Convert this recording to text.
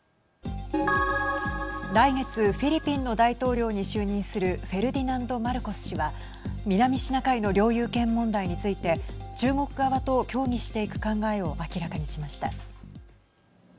来月、フィリピンの大統領に就任するフェルディナンド・マルコス氏は南シナ海の領有権問題について中国側と協議していく考えを明らかにしました。